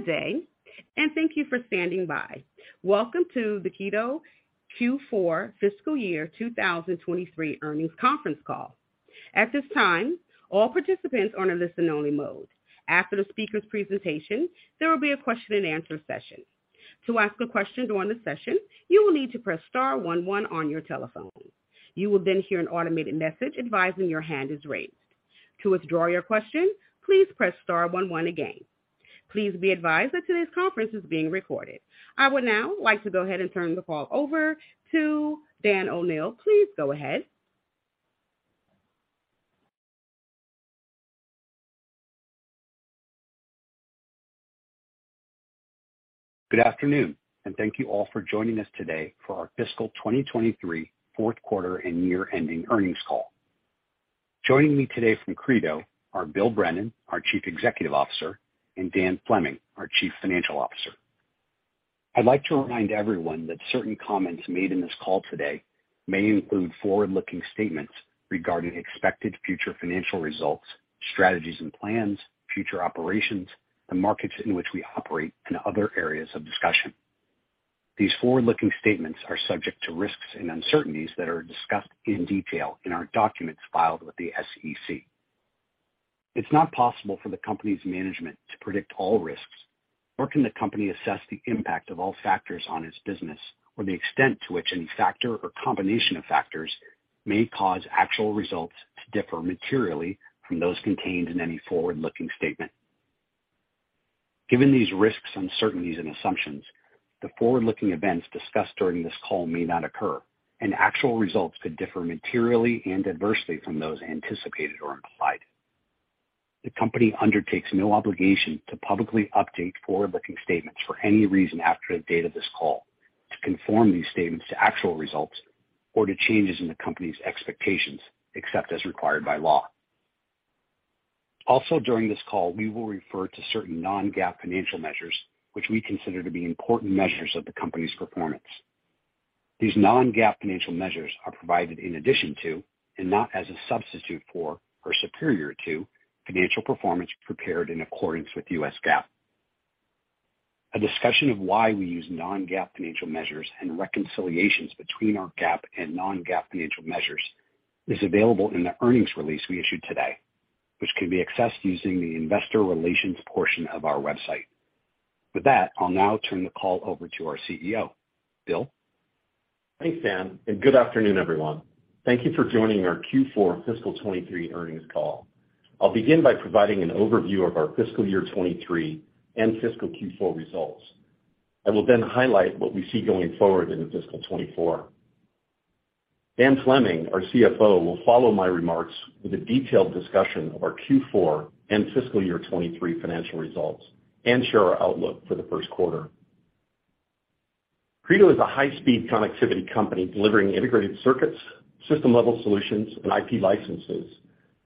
Good day. Thank you for standing by. Welcome to the Credo Q4 Fiscal Year 2023 Earnings Conference Call. At this time, all participants are in a listen-only mode. After the speaker's presentation, there will be a question-and-answer session. To ask a question during the session, you will need to press star one one on your telephone. You will then hear an automated message advising your hand is raised. To withdraw your question, please press star one one again. Please be advised that today's conference is being recorded. I would now like to go ahead and turn the call over to Dan O'Neil. Please go ahead. Good afternoon. Thank you all for joining us today for our fiscal 2023 fourth quarter and year-ending earnings call. Joining me today from Credo are Bill Brennan, our Chief Executive Officer, and Dan Fleming, our Chief Financial Officer. I'd like to remind everyone that certain comments made in this call today may include forward-looking statements regarding expected future financial results, strategies and plans, future operations, the markets in which we operate, and other areas of discussion. These forward-looking statements are subject to risks and uncertainties that are discussed in detail in our documents filed with the SEC. It's not possible for the company's management to predict all risks, nor can the company assess the impact of all factors on its business or the extent to which any factor or combination of factors may cause actual results to differ materially from those contained in any forward-looking statement. Given these risks, uncertainties and assumptions, the forward-looking events discussed during this call may not occur, and actual results could differ materially and adversely from those anticipated or implied. The company undertakes no obligation to publicly update forward-looking statements for any reason after the date of this call to conform these statements to actual results or to changes in the company's expectations, except as required by law. Also, during this call, we will refer to certain non-GAAP financial measures, which we consider to be important measures of the company's performance. These non-GAAP financial measures are provided in addition to, and not as a substitute for or superior to, financial performance prepared in accordance with US GAAP. A discussion of why we use non-GAAP financial measures and reconciliations between our GAAP and non-GAAP financial measures is available in the earnings release we issued today, which can be accessed using the investor relations portion of our website. With that, I'll now turn the call over to our CEO. Bill? Thanks, Dan. Good afternoon, everyone. Thank you for joining our Q4 fiscal 2023 earnings call. I'll begin by providing an overview of our fiscal year 2023 and fiscal Q4 results. I will then highlight what we see going forward into fiscal 2024. Dan Fleming, our CFO, will follow my remarks with a detailed discussion of our Q4 and fiscal year 2023 financial results and share our outlook for the first quarter. Credo is a high-speed connectivity company delivering integrated circuits, system-level solutions, and IP licenses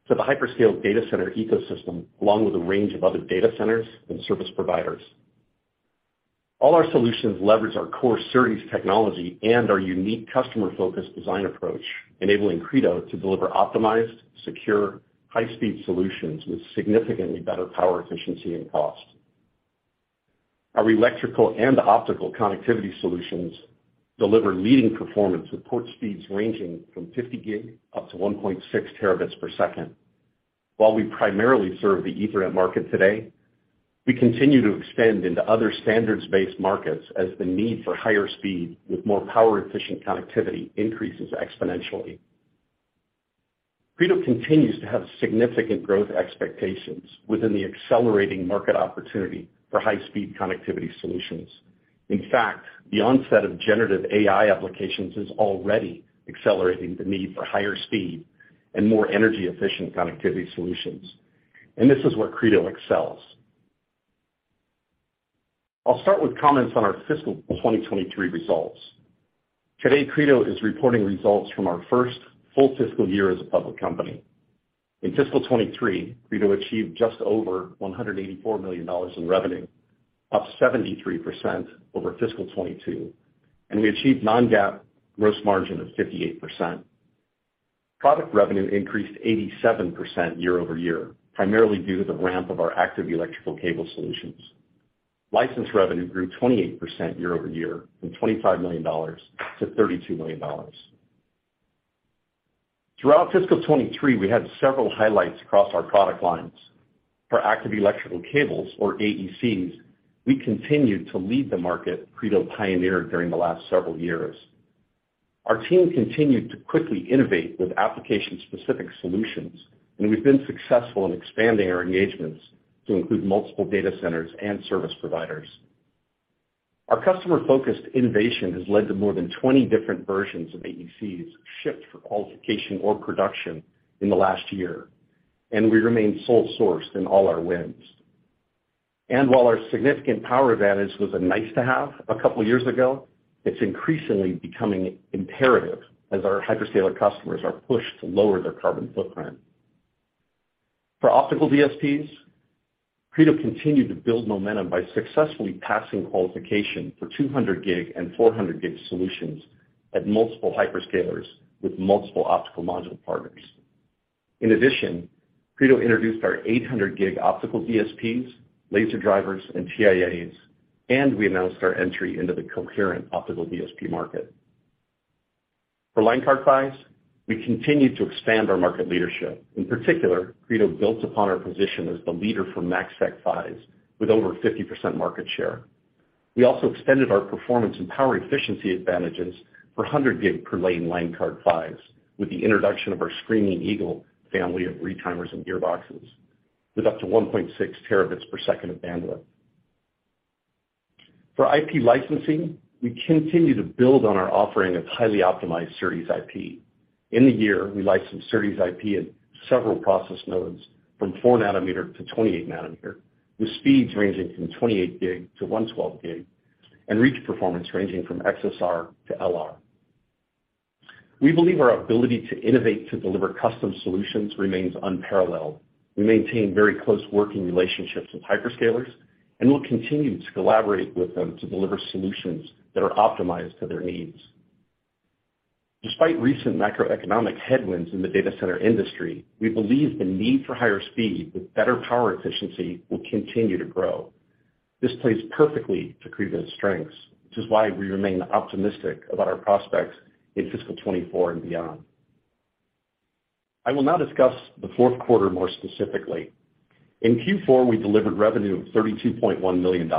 to the hyperscale data center ecosystem, along with a range of other data centers and service providers. All our solutions leverage our core SerDes technology and our unique customer-focused design approach, enabling Credo to deliver optimized, secure, high-speed solutions with significantly better power efficiency and cost. Our electrical and optical connectivity solutions deliver leading performance with port speeds ranging from 50 gig up to 1.6 terabits per second. While we primarily serve the Ethernet market today, we continue to expand into other standards-based markets as the need for higher speed with more power-efficient connectivity increases exponentially. Credo continues to have significant growth expectations within the accelerating market opportunity for high-speed connectivity solutions. In fact, the onset of generative AI applications is already accelerating the need for higher speed and more energy-efficient connectivity solutions. This is where Credo excels. I'll start with comments on our fiscal 2023 results. Today, Credo is reporting results from our first full fiscal year as a public company. In fiscal 2023, Credo achieved just over $184 million in revenue, up 73% over fiscal 2022. We achieved non-GAAP gross margin of 58%. Product revenue increased 87% year-over-year, primarily due to the ramp of our Active Electrical Cable solutions. License revenue grew 28% year-over-year from $25 million to $32 million. Throughout fiscal 2023, we had several highlights across our product lines. For Active Electrical Cables, or AECs, we continued to lead the market Credo pioneered during the last several years. Our team continued to quickly innovate with application-specific solutions, and we've been successful in expanding our engagements to include multiple data centers and service providers. Our customer-focused innovation has led to more than 20 different versions of AECs shipped for qualification or production in the last year, and we remain sole sourced in all our wins. While our significant power advantage was a nice-to-have a couple years ago, it's increasingly becoming imperative as our hyperscaler customers are pushed to lower their carbon footprint. For optical DSPs, Credo continued to build momentum by successfully passing qualification for 200 gig and 400 gig solutions at multiple hyperscalers with multiple optical module partners. In addition, Credo introduced our 800 gig Optical DSPs, Laser drivers, and TIAs, and we announced our entry into the coherent optical DSP market. For line card PHYs, we continued to expand our market leadership. In particular, Credo built upon our position as the leader for MACsec PHYs, with over 50% market share. We also extended our performance and power efficiency advantages for 100 gig per lane line card PHYs, with the introduction of our Screaming Eagle family of retimers and gearboxes, with up to 1.6 terabits per second of bandwidth. For IP licensing, we continue to build on our offering of highly optimized SerDes IP. In the year, we licensed SerDes IP at several process nodes, from 4 nanometer to 28 nanometer, with speeds ranging from 28 gig to 112 gig, and reach performance ranging from XSR to LR. We believe our ability to innovate to deliver custom solutions remains unparalleled. We maintain very close working relationships with hyperscalers, we'll continue to collaborate with them to deliver solutions that are optimized to their needs. Despite recent macroeconomic headwinds in the data center industry, we believe the need for higher speed with better power efficiency will continue to grow. This plays perfectly to Credo's strengths, which is why we remain optimistic about our prospects in fiscal 2024 and beyond. I will now discuss the fourth quarter more specifically. In Q4, we delivered revenue of $32.1 million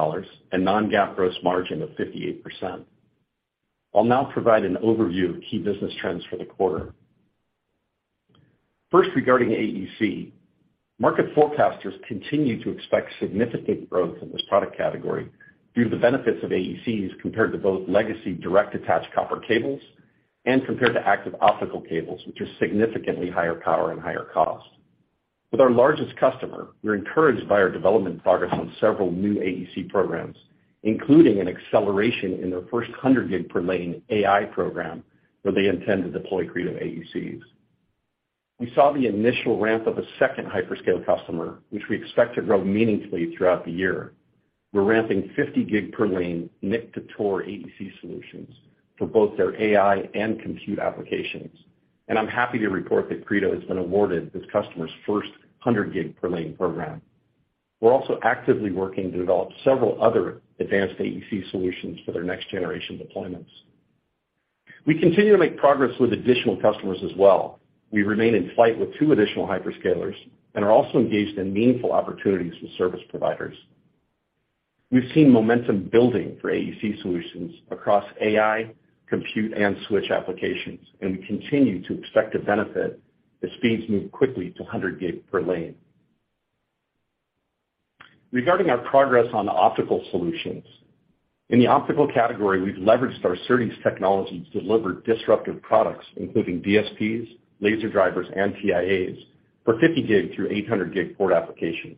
and non-GAAP gross margin of 58%. I'll now provide an overview of key business trends for the quarter. First, regarding AEC, market forecasters continue to expect significant growth in this product category due to the benefits of AECs compared to both legacy direct attached copper cables and compared to Active Optical Cables, which are significantly higher power and higher cost. With our largest customer, we're encouraged by our development progress on several new AEC programs, including an acceleration in their first 100 gig per lane AI program, where they intend to deploy Credo AECs. We saw the initial ramp of a second hyperscale customer, which we expect to grow meaningfully throughout the year. We're ramping 50 gig per lane NIC to TOR AEC solutions for both their AI and compute applications, and I'm happy to report that Credo has been awarded this customer's first 100 gig per lane program. We're also actively working to develop several other advanced AEC solutions for their next-generation deployments. We continue to make progress with additional customers as well. We remain in flight with two additional hyperscalers and are also engaged in meaningful opportunities with service providers. We've seen momentum building for AEC solutions across AI, compute, and switch applications, and we continue to expect to benefit as speeds move quickly to 100 gig per lane. Regarding our progress on optical solutions, in the optical category, we've leveraged our SerDes technology to deliver disruptive products, including DSPs, Laser drivers, and TIAs for 50 gig through 800 gig port applications.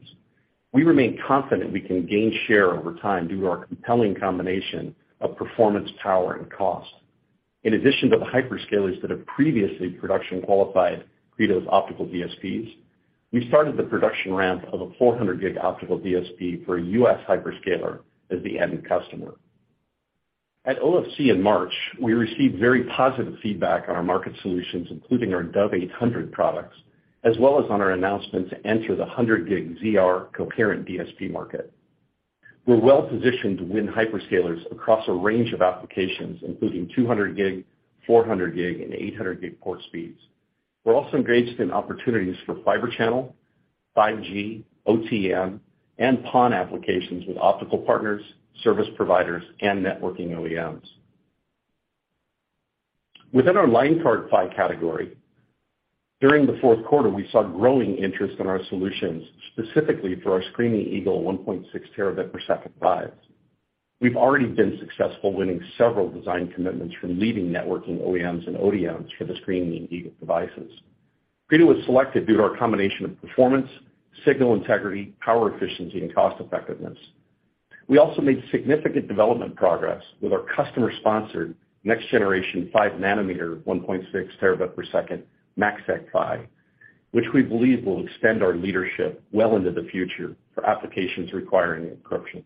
We remain confident we can gain share over time due to our compelling combination of performance, power, and cost. In addition to the hyperscalers that have previously production qualified Credo's optical DSPs, we started the production ramp of a 400 gig optical DSP for a U.S. hyperscaler as the end customer. At OFC in March, we received very positive feedback on our market solutions, including our Dove 800 products, as well as on our announcement to enter the 100 gig ZR coherent DSP market. We're well positioned to win hyperscalers across a range of applications, including 200 gig, 400 gig, and 800 gig port speeds. We're also engaged in opportunities for Fibre Channel, 5G, OTN, and PON applications with optical partners, service providers, and networking OEMs. Within our line card PHY category, during the fourth quarter, we saw growing interest in our solutions, specifically for our Screaming Eagle 1.6 terabit per second PHYs. We've already been successful winning several design commitments from leading networking OEMs and ODMs for the Screaming Eagle devices. Credo was selected due to our combination of performance, signal integrity, power efficiency, and cost effectiveness. We also made significant development progress with our customer-sponsored next-generation 5-nanometer, 1.6 terabit per second MACsec PHY, which we believe will extend our leadership well into the future for applications requiring encryption.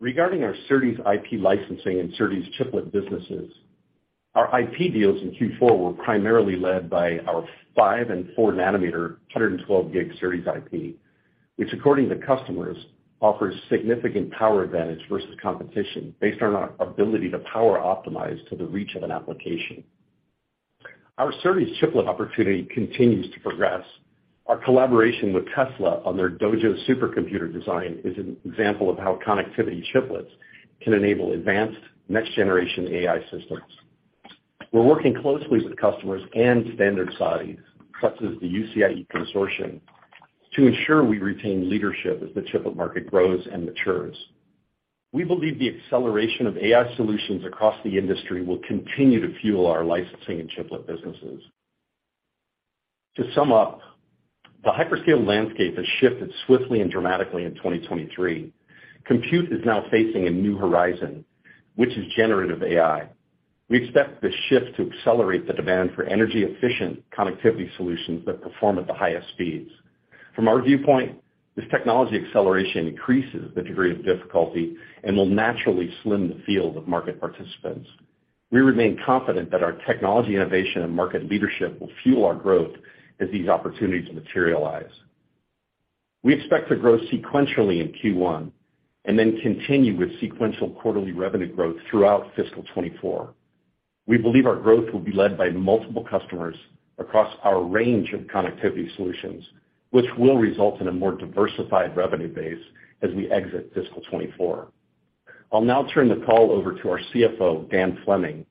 Regarding our SerDes IP licensing and SerDes chiplet businesses, our IP deals in Q4 were primarily led by our 5-nanometer and 4-nanometer, 112G SerDes IP, which, according to customers, offers significant power advantage versus competition based on our ability to power optimize to the reach of an application. Our SerDes chiplet opportunity continues to progress. Our collaboration with Tesla on their Dojo supercomputer design is an example of how connectivity chiplets can enable advanced next-generation AI systems. We're working closely with customers and standard societies, such as the UCIe Consortium, to ensure we retain leadership as the chiplet market grows and matures. We believe the acceleration of AI solutions across the industry will continue to fuel our licensing and chiplet businesses. To sum up, the hyperscale landscape has shifted swiftly and dramatically in 2023. Compute is now facing a new horizon, which is generative AI. We expect this shift to accelerate the demand for energy-efficient connectivity solutions that perform at the highest speeds. From our viewpoint, this technology acceleration increases the degree of difficulty and will naturally slim the field of market participants. We remain confident that our technology innovation and market leadership will fuel our growth as these opportunities materialize. We expect to grow sequentially in Q1 and then continue with sequential quarterly revenue growth throughout fiscal 2024. We believe our growth will be led by multiple customers across our range of connectivity solutions, which will result in a more diversified revenue base as we exit fiscal 2024. I'll now turn the call over to our CFO, Dan Fleming,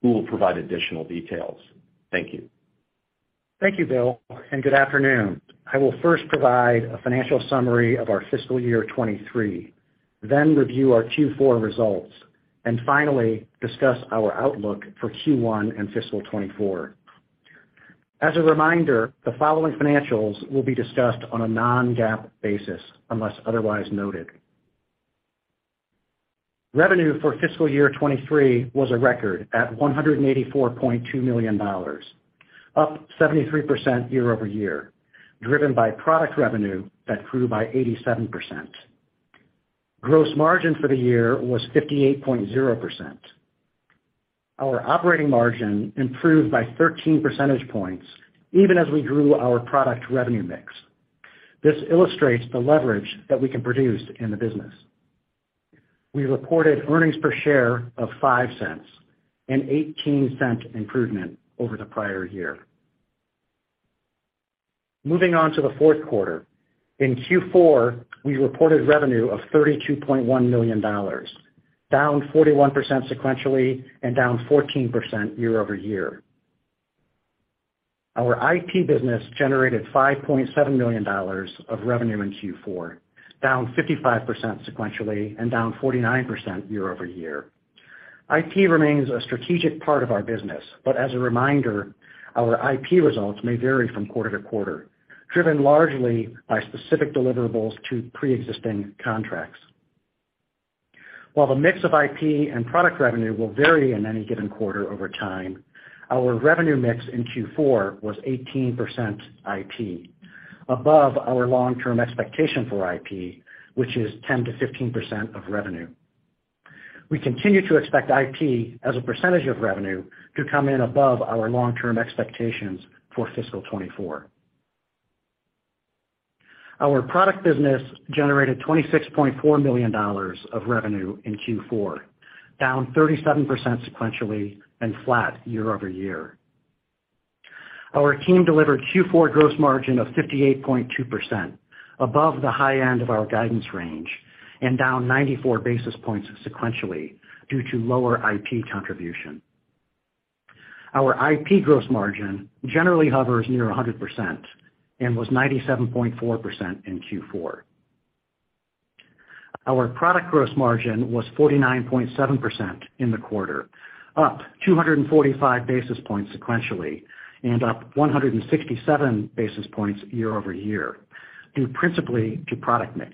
who will provide additional details. Thank you. Thank you, Bill, and good afternoon. I will first provide a financial summary of our fiscal year 2023, then review our Q4 results, and finally, discuss our outlook for Q1 and fiscal 2024. As a reminder, the following financials will be discussed on a non-GAAP basis, unless otherwise noted. Revenue for fiscal year 2023 was a record at $184.2 million, up 73% year-over-year, driven by product revenue that grew by 87%. Gross margin for the year was 58.0%. Our operating margin improved by 13 percentage points, even as we grew our product revenue mix. This illustrates the leverage that we can produce in the business. We reported earnings per share of $0.05, an $0.18 improvement over the prior year. Moving on to the fourth quarter. In Q4, we reported revenue of $32.1 million, down 41% sequentially and down 14% year-over-year. Our IP business generated $5.7 million of revenue in Q4, down 55% sequentially and down 49% year-over-year. IP remains a strategic part of our business. As a reminder, our IP results may vary from quarter to quarter, driven largely by specific deliverables to pre-existing contracts. While the mix of IP and product revenue will vary in any given quarter over time, our revenue mix in Q4 was 18% IP, above our long-term expectation for IP, which is 10%-15% of revenue. We continue to expect IP as a percentage of revenue to come in above our long-term expectations for fiscal 2024. Our product business generated $26.4 million of revenue in Q4, down 37% sequentially and flat year-over-year. Our team delivered Q4 gross margin of 58.2%, above the high end of our guidance range, down 94 basis points sequentially due to lower IP contribution. Our IP gross margin generally hovers near 100% and was 97.4% in Q4. Our product gross margin was 49.7% in the quarter, up 245 basis points sequentially and up 167 basis points year-over-year, due principally to product mix.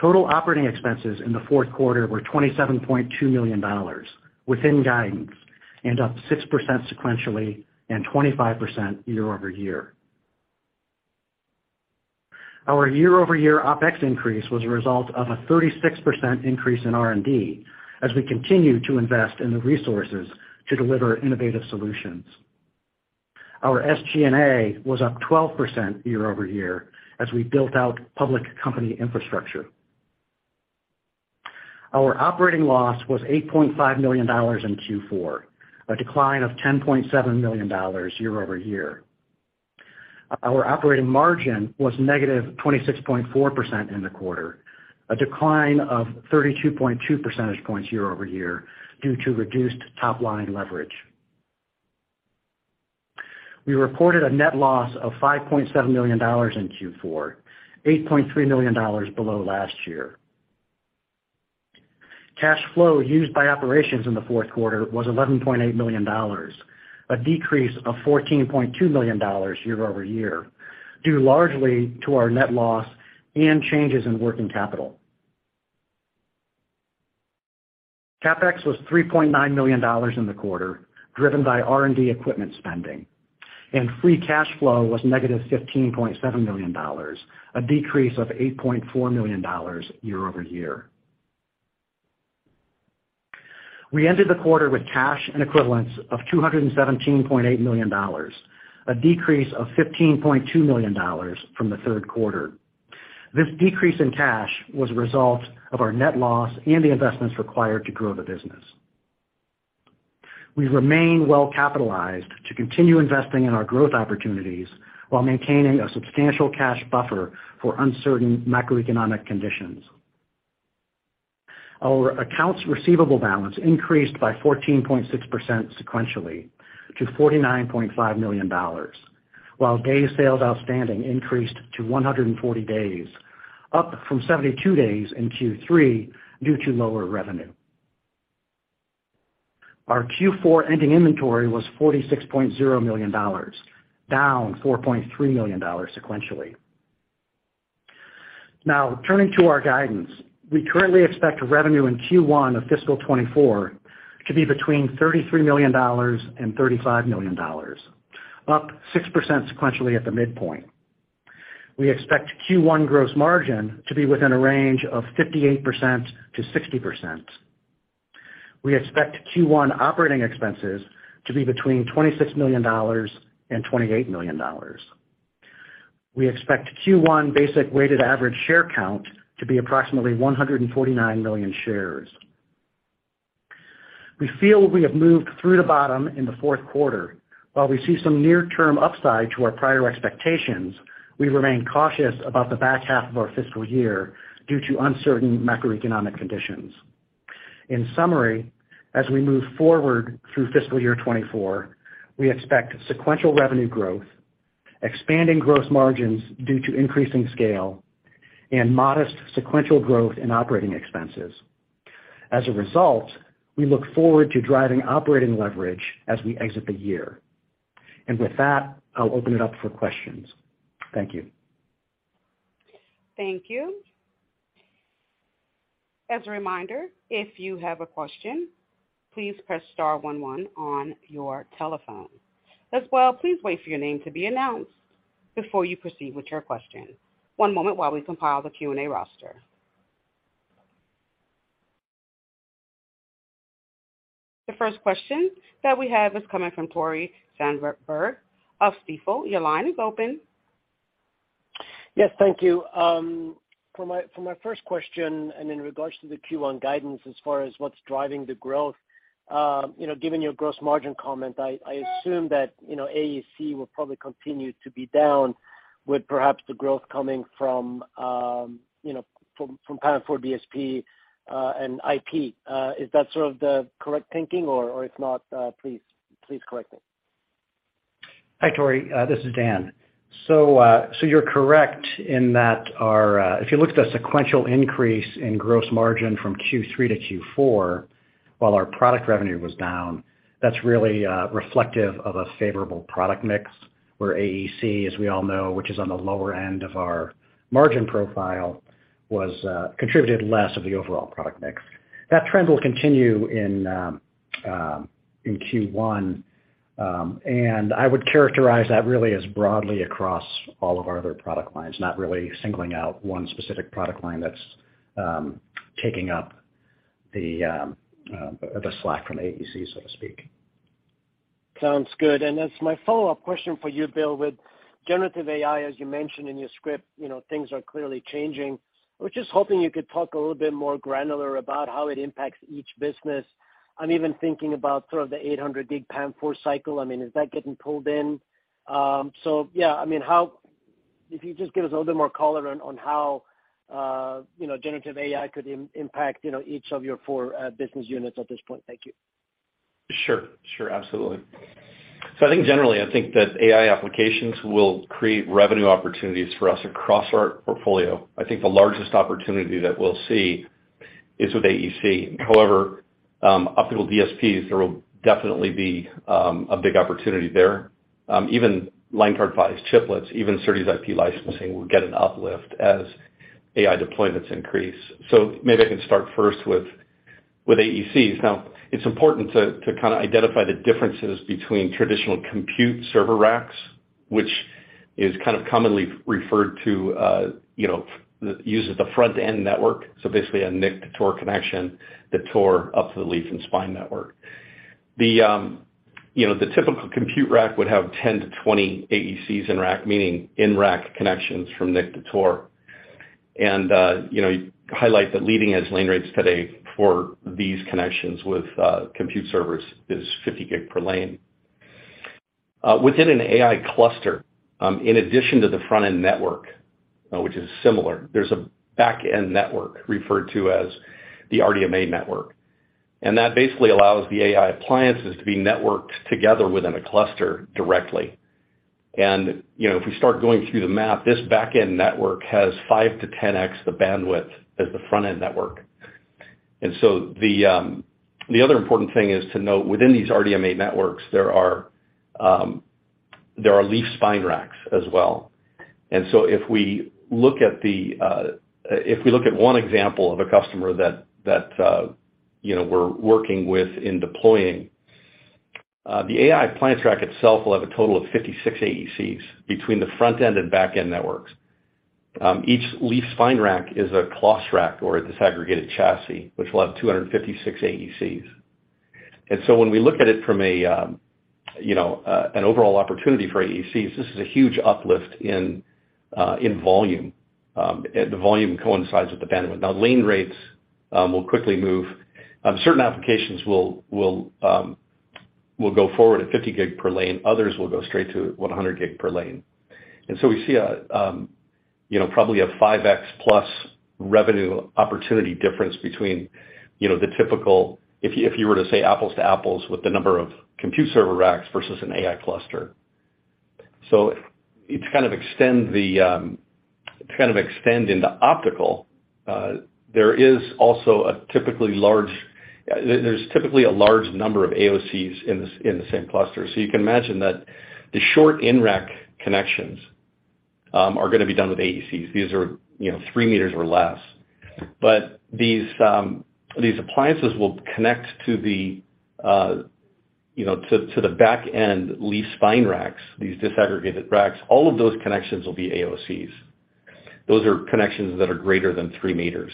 Total operating expenses in the fourth quarter were $27.2 million, within guidance, up 6% sequentially and 25% year-over-year. Our year-over-year OpEx increase was a result of a 36% increase in R&D, as we continue to invest in the resources to deliver innovative solutions. Our SG&A was up 12% year-over-year as we built out public company infrastructure. Our operating loss was $8.5 million in Q4, a decline of $10.7 million year-over-year. Our operating margin was -26.4% in the quarter, a decline of 32.2 percentage points year-over-year due to reduced top line leverage. We reported a net loss of $5.7 million in Q4, $8.3 million below last year. Cash flow used by operations in the fourth quarter was $11.8 million, a decrease of $14.2 million year-over-year, due largely to our net loss and changes in working capital. CapEx was $3.9 million in the quarter, driven by R&D equipment spending, and free cash flow was negative $15.7 million, a decrease of $8.4 million year-over-year. We ended the quarter with cash and equivalents of $217.8 million, a decrease of $15.2 million from the third quarter. This decrease in cash was a result of our net loss and the investments required to grow the business. We remain well capitalized to continue investing in our growth opportunities while maintaining a substantial cash buffer for uncertain macroeconomic conditions. Our accounts receivable balance increased by 14.6% sequentially to $49.5 million, while day sales outstanding increased to 140 days, up from 72 days in Q3 due to lower revenue. Our Q4 ending inventory was $46.0 million, down $4.3 million sequentially. Turning to our guidance. We currently expect revenue in Q1 of fiscal 2024 to be between $33 million and $35 million, up 6% sequentially at the midpoint. We expect Q1 gross margin to be within a range of 58%-60%. We expect Q1 operating expenses to be between $26 million and $28 million. We expect Q1 basic weighted average share count to be approximately 149 million shares. We feel we have moved through the bottom in the fourth quarter. While we see some near-term upside to our prior expectations, we remain cautious about the back half of our fiscal year due to uncertain macroeconomic conditions. In summary, as we move forward through fiscal year 2024, we expect sequential revenue growth, expanding gross margins due to increasing scale, and modest sequential growth in operating expenses. As a result, we look forward to driving operating leverage as we exit the year. With that, I'll open it up for questions. Thank you. Thank you. As a reminder, if you have a question, please press star one one on your telephone. Please wait for your name to be announced before you proceed with your question. One moment while we compile the Q&A roster. The first question that we have is coming from Tore Svanberg of Stifel. Your line is open. Yes, thank you. In regards to the Q1 guidance, as far as what's driving the growth, you know, given your gross margin comment, I assume that, you know, AEC will probably continue to be down with perhaps the growth coming from, you know, from PAM4 DSP and IP. Is that sort of the correct thinking, or if not, please correct me. Hi, Tore, this is Dan. You're correct in that. If you look at the sequential increase in gross margin from Q3 to Q4, while our product revenue was down, that's really reflective of a favorable product mix, where AEC, as we all know, which is on the lower end of our margin profile, was contributed less of the overall product mix. That trend will continue in Q1. I would characterize that really as broadly across all of our other product lines, not really singling out one specific product line that's taking up the slack from AEC, so to speak. Sounds good. As my follow-up question for you, Bill, with generative AI, as you mentioned in your script, you know, things are clearly changing. I was just hoping you could talk a little bit more granular about how it impacts each business. I'm even thinking about sort of the 800 gig PAM4 cycle. I mean, is that getting pulled in? Yeah. I mean, if you just give us a little bit more color on how, you know, generative AI could impact, you know, each of your four business units at this point. Thank you. Sure. Sure, absolutely. I think generally, I think that AI applications will create revenue opportunities for us across our portfolio. I think the largest opportunity that we'll see is with AEC. However, optical DSPs, there will definitely be a big opportunity there. Even LineCard PHYs chiplets, even SerDes IP licensing will get an uplift as AI deployments increase. Maybe I can start first with AECs. Now, it's important to kinda identify the differences between traditional compute server racks, which is kind of commonly referred to, you know, uses the front-end network, so basically a NIC to TOR connection, the TOR up to the leaf and spine network. You know, the typical compute rack would have 10-20 AECs in rack, meaning in-rack connections from NIC to TOR. you know, you highlight that leading-edge lane rates today for these connections with compute servers is 50 gig per lane. Within an AI cluster, in addition to the front-end network, which is similar, there's a back-end network referred to as the RDMA network. That basically allows the AI appliances to be networked together within a cluster directly. you know, if we start going through the math, this back-end network has 5x-10x the bandwidth as the front-end network. The other important thing is to note, within these RDMA networks, there are leaf-spine racks as well. If we look at the, if we look at one example of a customer that, you know, we're working with in deploying, the AI appliance rack itself will have a total of 56 AECs between the front-end and back-end networks. Each leaf spine rack is a Clos rack or a disaggregated chassis, which will have 256 AECs. When we look at it from a, you know, an overall opportunity for AECs, this is a huge uplift in volume, and the volume coincides with the bandwidth. Now, lane rates will quickly move. Certain applications will go forward at 50 gig per lane, others will go straight to 100 gig per lane. We see a, you know, probably a 5x+ revenue opportunity difference between, you know, if you were to say apples to apples with the number of compute server racks versus an AI cluster. To kind of extend the, to kind of extend in the optical, there's typically a large number of AOCs in the same cluster. You can imagine that the short in-rack connections are gonna be done with AECs. These are, you know, three meters or less. These appliances will connect to the, you know, to the back-end leaf-spine racks, these disaggregated racks, all of those connections will be AOCs. Those are connections that are greater than three meters.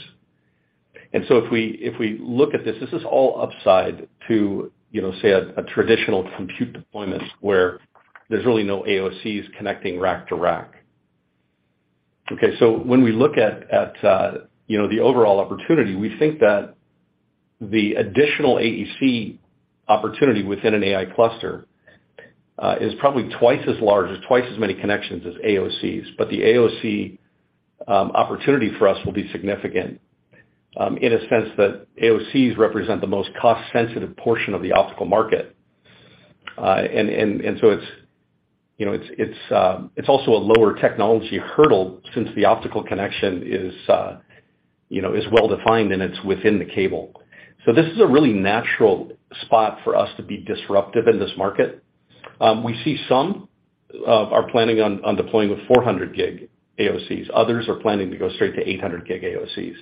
If we look at this is all upside to, you know, say, a traditional compute deployment, where there's really no AOCs connecting rack to rack. When we look at, you know, the overall opportunity, we think that the additional AEC opportunity within an AI cluster is probably twice as large, as twice as many connections as AOCs. The AOC opportunity for us will be significant in a sense that AOCs represent the most cost-sensitive portion of the optical market. It's, you know, it's also a lower technology hurdle since the optical connection is, you know, is well defined and it's within the cable. This is a really natural spot for us to be disruptive in this market. We see some of our planning on deploying with 400 gig AOCs, others are planning to go straight to 800 gig AOCs.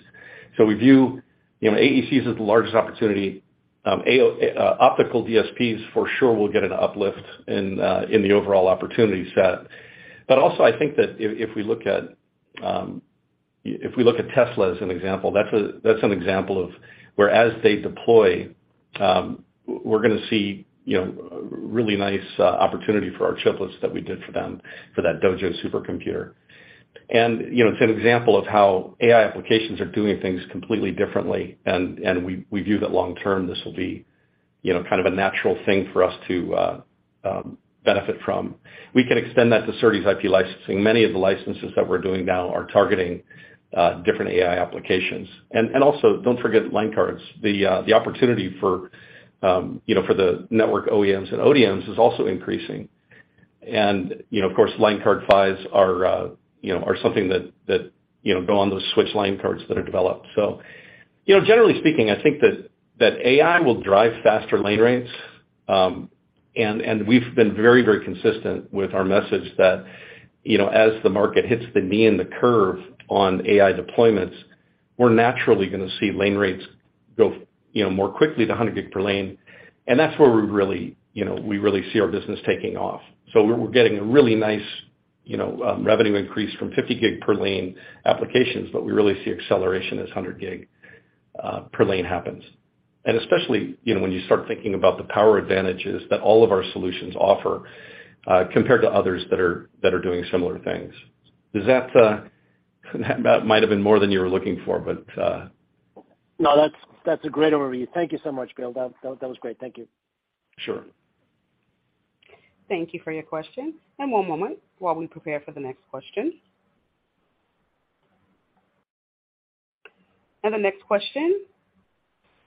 We view, you know, AECs as the largest opportunity, optical DSPs for sure will get an uplift in the overall opportunity set. Also, I think that if we look at Tesla as an example, that's an example of where as they deploy, we're gonna see, you know, really nice opportunity for our chiplets that we did for them, for that Dojo supercomputer. You know, it's an example of how AI applications are doing things completely differently, and we view that long term, this will be, you know, kind of a natural thing for us to benefit from. We can extend that to SerDes IP licensing. Many of the licenses that we're doing now are targeting different AI applications. Also, don't forget line cards. The opportunity for, you know, for the network OEMs and ODMs is also increasing. You know, of course, line card PHYs are, you know, are something that, you know, go on those switch line cards that are developed. You know, generally speaking, I think that AI will drive faster lane rates. We've been very, very consistent with our message that, you know, as the market hits the knee in the curve on AI deployments, we're naturally gonna see lane rates go, you know, more quickly to 100 gig per lane. That's where we really, you know, we really see our business taking off. We're getting a really nice, you know, revenue increase from 50 gig per lane applications, but we really see acceleration as 100 gig per lane happens. Especially, you know, when you start thinking about the power advantages that all of our solutions offer, compared to others that are doing similar things. Does that? That might have been more than you were looking for, but. No, that's a great overview. Thank you so much, Bill. That was great. Thank you. Sure. Thank you for your question. One moment while we prepare for the next question. The next question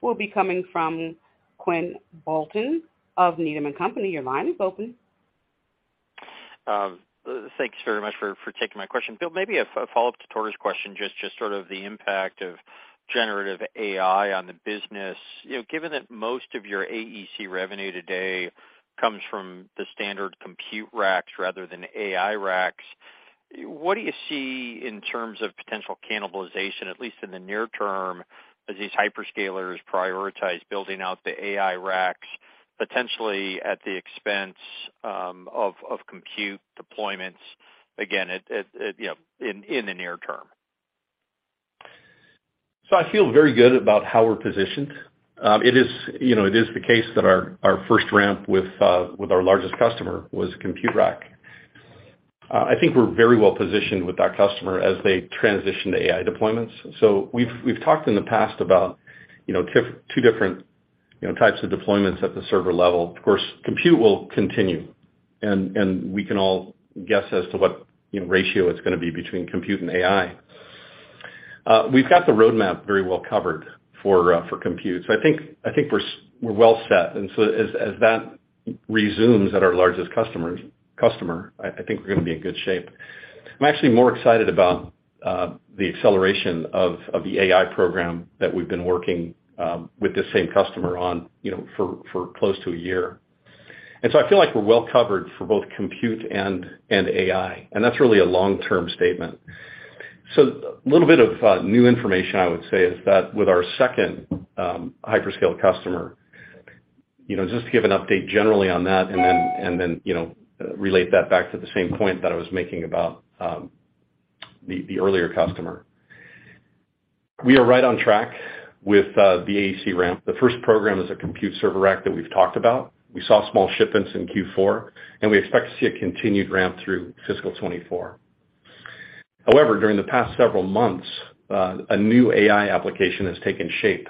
will be coming from Quinn Bolton of Needham & Company. Your line is open. Thanks very much for taking my question. Bill, maybe a follow-up to Tore's question, just sort of the impact of generative AI on the business. You know, given that most of your AEC revenue today comes from the standard compute racks rather than AI racks, what do you see in terms of potential cannibalization, at least in the near term, as these hyperscalers prioritize building out the AI racks, potentially at the expense of compute deployments, again, at, you know, in the near term? I feel very good about how we're positioned. It is, you know, it is the case that our first ramp with our largest customer was Compute Rack. I think we're very well positioned with that customer as they transition to AI deployments. We've talked in the past about, you know, two different, you know, types of deployments at the server level. Of course, compute will continue, and we can all guess as to what, you know, ratio it's gonna be between compute and AI. We've got the roadmap very well covered for compute, so I think we're well set. As that resumes at our largest customer, I think we're gonna be in good shape. I'm actually more excited about the acceleration of the AI program that we've been working with the same customer on, you know, for close to a year. I feel like we're well covered for both compute and AI, and that's really a long-term statement. A little bit of new information I would say, is that with our second hyperscale customer, you know, just to give an update generally on that, and then, you know, relate that back to the same point that I was making about the earlier customer. We are right on track with the AEC ramp. The first program is a compute server rack that we've talked about. We saw small shipments in Q4, and we expect to see a continued ramp through fiscal 2024. However, during the past several months, a new AI application has taken shape.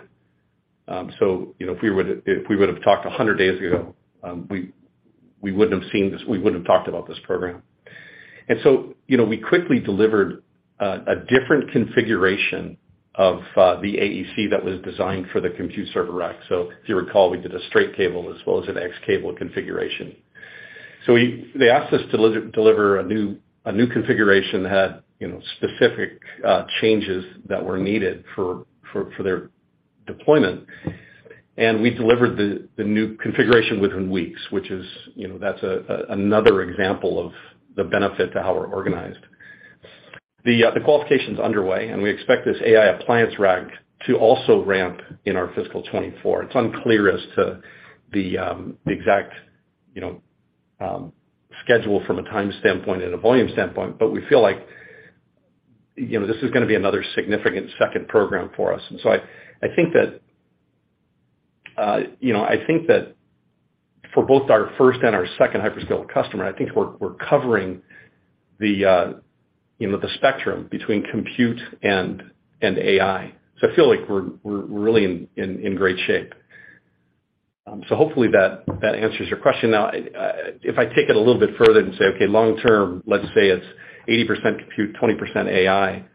You know, if we would, if we would have talked 100 days ago, we wouldn't have seen this, we wouldn't have talked about this program. You know, we quickly delivered a different configuration of the AEC that was designed for the compute server rack. If you recall, we did a straight cable as well as an X cable configuration. They asked us to deliver a new configuration that had, you know, specific, changes that were needed for their deployment. We delivered the new configuration within weeks, which is, you know, that's another example of the benefit to how we're organized. The qualification's underway. We expect this AI appliance rack to also ramp in our fiscal 2024. It's unclear as to the exact, you know, schedule from a time standpoint and a volume standpoint. We feel like, you know, this is gonna be another significant second program for us. I think that, you know, I think that for both our first and our second hyperscale customer, I think we're covering the, you know, the spectrum between compute and AI. I feel like we're really in great shape. Hopefully that answers your question. If I take it a little bit further and say, okay, long term, let's say it's 80% compute, 20% AI,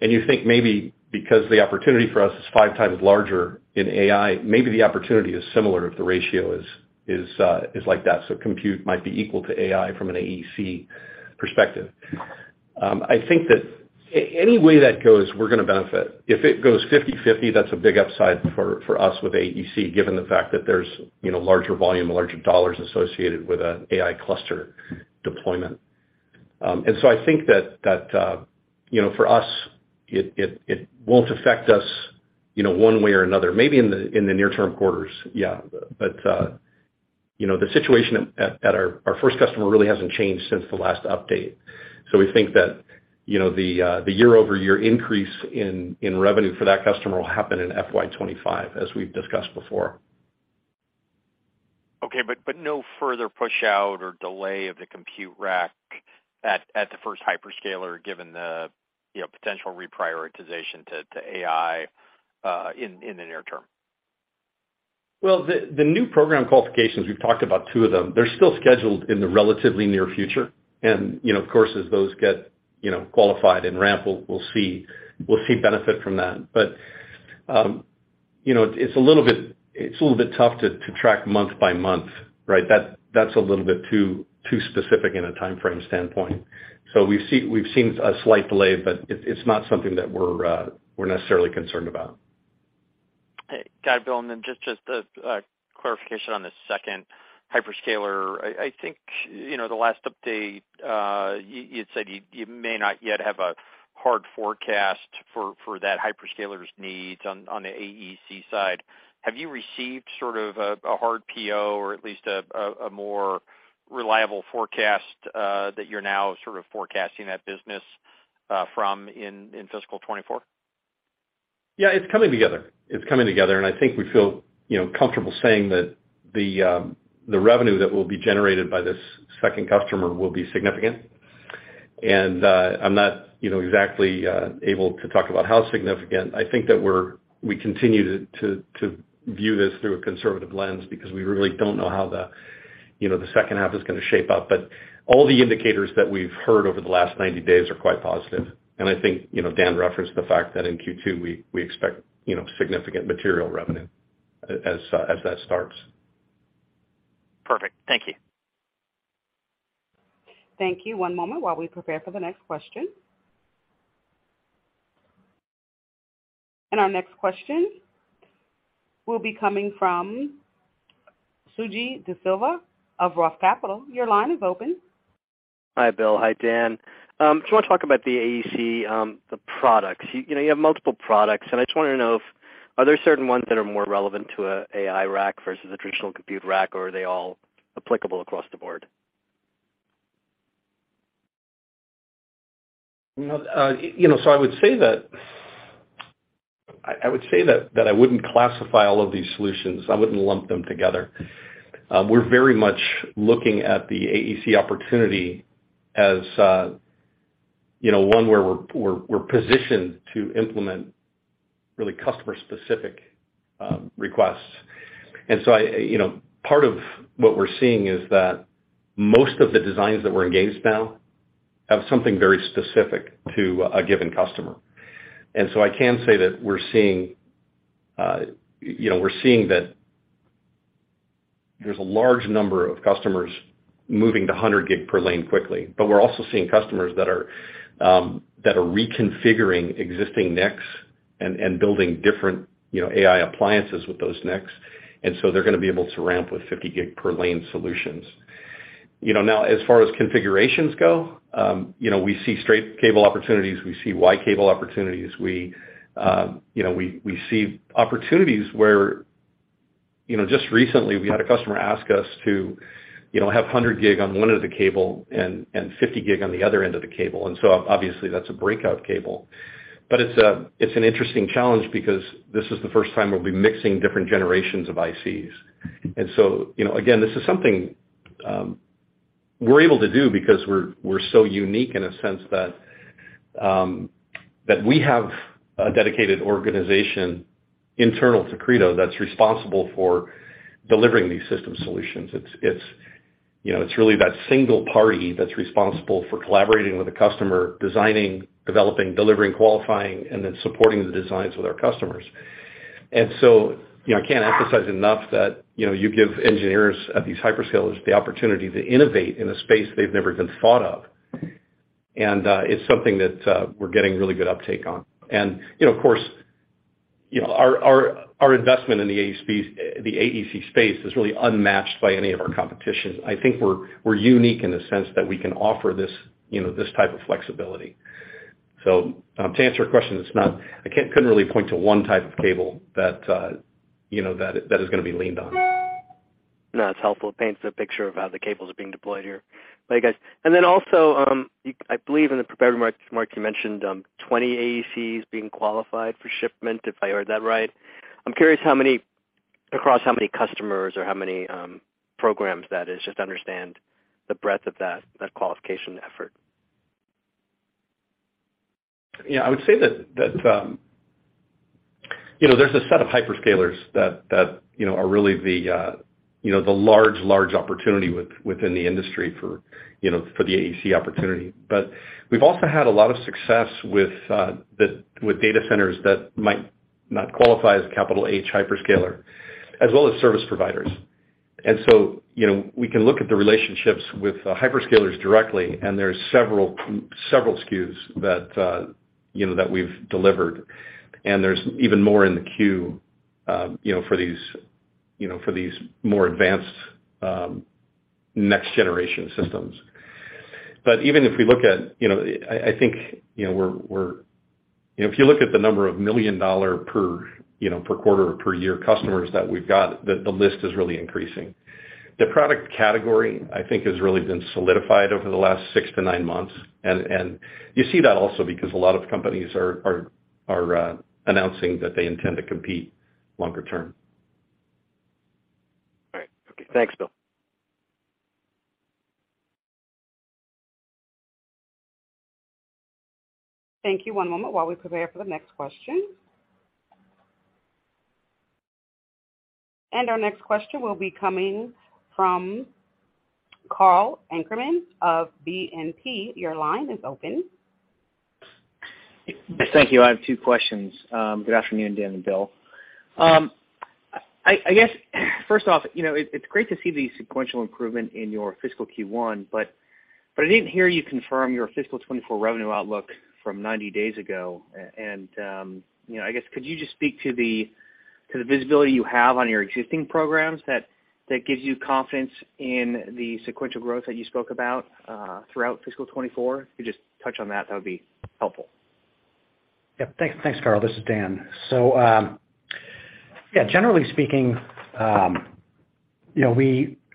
and you think maybe because the opportunity for us is 5x larger in AI, maybe the opportunity is similar if the ratio is like that. Compute might be equal to AI from an AEC perspective. I think that any way that goes, we're gonna benefit. If it goes 50/50, that's a big upside for us with AEC, given the fact that there's, you know, larger volume, larger dollars associated with an AI cluster deployment. I think that, you know, for us, it won't affect us, you know, one way or another. Maybe in the, in the near term quarters, yeah. you know, the situation at our first customer really hasn't changed since the last update. We think that, you know, the year-over-year increase in revenue for that customer will happen in FY 2025, as we've discussed before. Okay, no further pushout or delay of the compute rack at the first hyperscaler, given the, you know, potential reprioritization to AI in the near term? Well, the new program qualifications, we've talked about two of them. They're still scheduled in the relatively near future. You know, of course, as those get, you know, qualified and ramped, we'll see benefit from that. You know, it's a little bit tough to track month by month, right? That's a little bit too specific in a timeframe standpoint. We've seen a slight delay, but it's not something that we're necessarily concerned about. Hey, got it, Bill. Just a clarification on this second hyperscaler. I think, you know, the last update, you had said you may not yet have a hard forecast for that hyperscaler's needs on the AEC side. Have you received sort of a hard PO or at least a more reliable forecast that you're now sort of forecasting that business from in fiscal 2024? Yeah, it's coming together. It's coming together, and I think we feel, you know, comfortable saying that the revenue that will be generated by this second customer will be significant. I'm not, you know, exactly able to talk about how significant. I think that we continue to view this through a conservative lens because we really don't know how the, you know, the second half is gonna shape up. All the indicators that we've heard over the last 90 days are quite positive. I think, you know, Dan referenced the fact that in Q2, we expect, you know, significant material revenue as that starts. Perfect. Thank you. Thank you. One moment while we prepare for the next question. Our next question will be coming from Suji DeSilva of Roth Capital. Your line is open. Hi, Bill. Hi, Dan. Just want to talk about the AEC, the products. You know, you have multiple products, and I just wanted to know if, are there certain ones that are more relevant to a AI rack versus a traditional compute rack, or are they all applicable across the board? Well, you know, I would say that I wouldn't classify all of these solutions. I wouldn't lump them together. We're very much looking at the AEC opportunity as, you know, one where we're positioned to implement really customer-specific requests. You know, part of what we're seeing is that most of the designs that we're engaged now have something very specific to a given customer. I can say that we're seeing, you know, that there's a large number of customers moving to 100 gig per lane quickly, but we're also seeing customers that are reconfiguring existing NICs and building different, you know, AI appliances with those NICs, they're gonna be able to ramp with 50 gig per lane solutions. You know, now, as far as configurations go, you know, we see straight cable opportunities, we see Y cable opportunities. We, you know, we see opportunities where, you know, just recently we had a customer ask us to, you know, have 100 gig on one end of the cable and 50 gig on the other end of the cable. Obviously, that's a breakout cable. It's an interesting challenge because this is the first time we'll be mixing different generations of ICs. You know, again, this is something we're able to do because we're so unique in a sense that we have a dedicated organization internal to Credo that's responsible for delivering these system solutions. It's, you know, it's really that single party that's responsible for collaborating with the customer, designing, developing, delivering, qualifying, and then supporting the designs with our customers. You know, I can't emphasize enough that, you know, you give engineers at these hyperscalers the opportunity to innovate in a space they've never even thought of. It's something that we're getting really good uptake on. You know, of course, you know, our investment in the AECs, the AEC space is really unmatched by any of our competition. I think we're unique in the sense that we can offer this, you know, this type of flexibility. To answer your question, it's not, I can't, couldn't really point to one type of cable that, you know, that is gonna be leaned on. No, it's helpful. It paints a picture of how the cables are being deployed here. Thank you, guys. Also, I believe in the prepared remarks, Mark, you mentioned, 20 AECs being qualified for shipment, if I heard that right. I'm curious how many across how many customers or how many programs that is, just to understand the breadth of that qualification effort. Yeah, I would say that, you know, there's a set of hyperscalers that, you know, are really the, you know, the large opportunity within the industry for, you know, for the AEC opportunity. We've also had a lot of success with data centers that might not qualify as capital H hyperscaler, as well as service providers. You know, we can look at the relationships with hyperscalers directly, and there's several SKUs that, you know, that we've delivered, and there's even more in the queue, you know, for these, you know, for these more advanced, next-generation systems. Even if we look at, you know, I think, you know, we're, you know, if you look at the number of million-dollar per, you know, per quarter or per year customers that we've got, the list is really increasing. The product category, I think, has really been solidified over the last six to nine months, and you see that also because a lot of companies are announcing that they intend to compete longer term. All right. Okay. Thanks, Bill. Thank you. One moment while we prepare for the next question. Our next question will be coming from Karl Ackerman of BNP. Your line is open. Thank you. I have two questions. Good afternoon, Dan and Bill. I guess, first off, you know, it's great to see the sequential improvement in your fiscal Q1, but I didn't hear you confirm your fiscal 2024 revenue outlook from 90 days ago. You know, I guess could you just speak to the visibility you have on your existing programs that gives you confidence in the sequential growth that you spoke about throughout fiscal 2024? If you just touch on that would be helpful. Yep. Thanks, Karl. This is Dan. yeah, generally speaking, you know,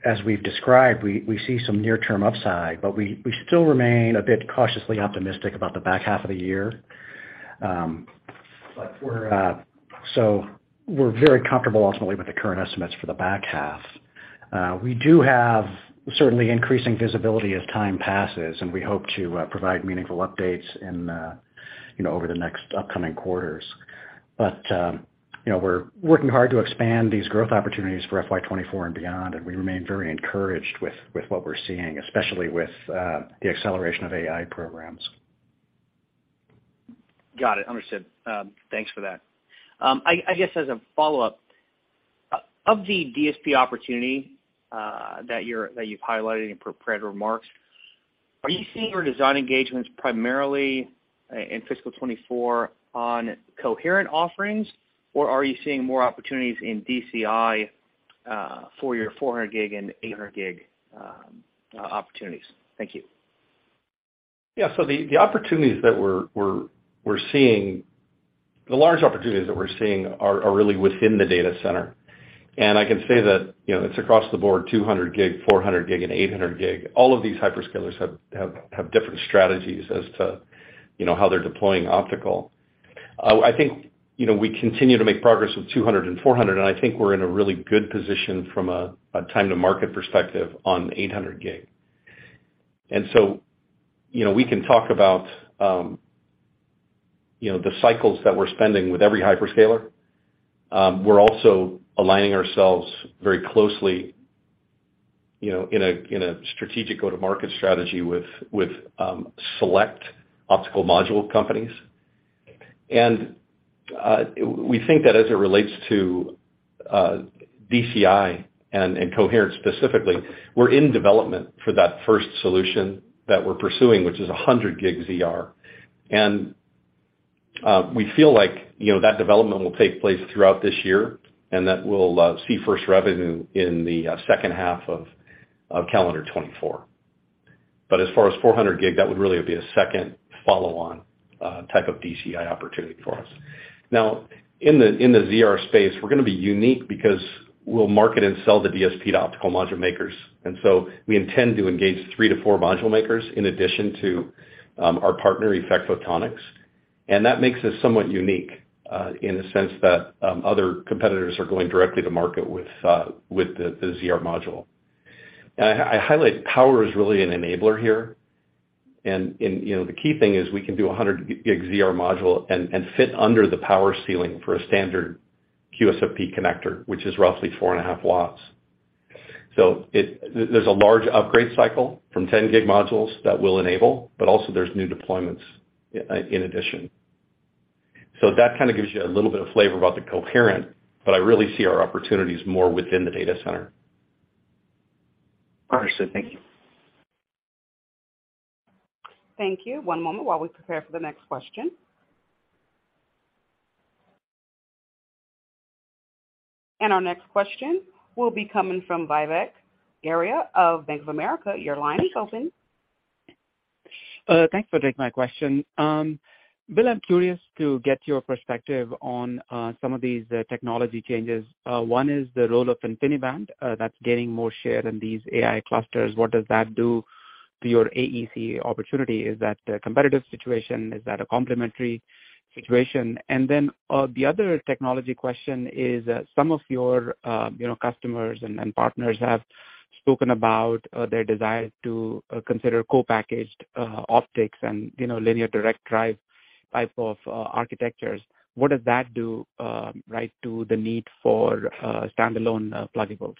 as we've described, we see some near-term upside, but we still remain a bit cautiously optimistic about the back half of the year. We're very comfortable ultimately with the current estimates for the back half. We do have certainly increasing visibility as time passes, and we hope to provide meaningful updates in, you know, over the next upcoming quarters. you know, we're working hard to expand these growth opportunities for FY 2024 and beyond, and we remain very encouraged with what we're seeing, especially with the acceleration of AI programs. Got it. Understood. Thanks for that. I guess as a follow-up, of the DSP opportunity that you've highlighted in prepared remarks, are you seeing your design engagements primarily in fiscal 2024 on coherent offerings, or are you seeing more opportunities in DCI, for your 400 gig and 800 gig opportunities? Thank you. Yeah. The large opportunities that we're seeing are really within the data center. I can say that, you know, it's across the board, 200 gig, 400 gig, and 800 gig. All of these hyperscalers have different strategies as to, you know, how they're deploying optical. I think, you know, we continue to make progress with 200 and 400, and I think we're in a really good position from a time to market perspective on 800 gig. You know, we can talk about, you know, the cycles that we're spending with every hyperscaler. We're also aligning ourselves very closely, you know, in a strategic go-to-market strategy with select optical module companies. We think that as it relates to DCI and Coherent specifically, we're in development for that first solution that we're pursuing, which is 100G ZR. We feel like, you know, that development will take place throughout this year, and that we'll see first revenue in the second half of calendar 2024. As far as 400G, that would really be a second follow-on type of DCI opportunity for us. In the ZR space, we're gonna be unique because we'll market and sell the DSP to optical module makers, we intend to engage 3 to 4 module makers in addition to our partner, EFFECT Photonics. That makes us somewhat unique, in the sense that other competitors are going directly to market with the ZR module. I highlight power is really an enabler here. You know, the key thing is we can do a 100 gig ZR module and fit under the power ceiling for a standard QSFP connector, which is roughly 4 and a half watts. There's a large upgrade cycle from 10 gig modules that will enable, but also there's new deployments in addition. That kind of gives you a little bit of flavor about the coherent, but I really see our opportunities more within the data center. Understood. Thank you. Thank you. One moment while we prepare for the next question. Our next question will be coming from Vivek Arya of Bank of America. Your line is open. Thanks for taking my question. Bill, I'm curious to get your perspective on some of these technology changes. One is the role of InfiniBand that's gaining more share in these AI clusters. What does that do to your AEC opportunity? Is that a competitive situation? Is that a complementary situation? The other technology question is, some of your, you know, customers and partners have spoken about their desire to consider co-packaged optics and, you know, linear direct drive type of architectures. What does that do, right, to the need for standalone pluggables?